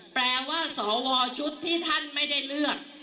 แปลว่าสวชุดที่ท่านไม่ได้เลือก